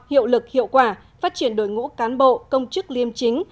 hiệu lực hiệu quả phát triển đội ngũ cán bộ công chức liêm chính